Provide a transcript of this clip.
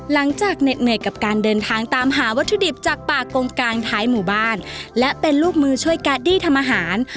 เหน็ดเหนื่อยกับการเดินทางตามหาวัตถุดิบจากป่ากงกลางท้ายหมู่บ้านและเป็นลูกมือช่วยการดี้ทำอาหาร